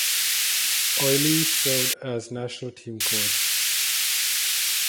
Ollie served as national team coach.